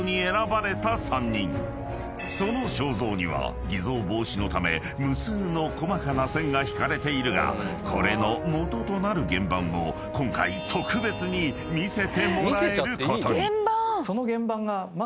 ［その肖像には偽造防止のため無数の細かな線が引かれているがこれの基となる原版を今回特別に見せてもらえることに］